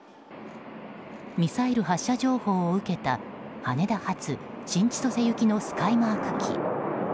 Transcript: ミサイル発射情報を受けた羽田発新千歳行きのスカイマーク機。